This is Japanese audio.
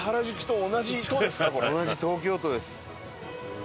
同じ東京都です。